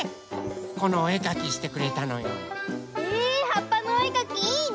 このおえかきしてくれたのよ。えはっぱのおえかきいいね。